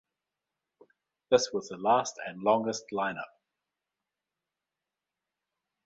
This was the last and longest lineup.